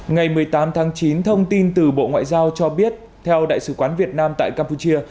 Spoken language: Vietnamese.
ngày một mươi tám tháng chín thông tin từ bộ ngoại giao cho biết theo đại sứ quán việt nam tại campuchia